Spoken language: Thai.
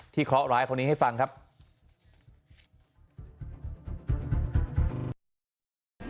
มีภาพจากกล้อมรอบหมาของเพื่อนบ้าน